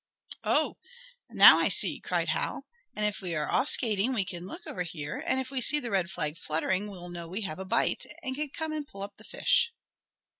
"Oh, now I see!" cried Hal. "And if we are off skating we can look over here, and if we see the red rag fluttering we'll know we have a bite, and can come and pull up the fish."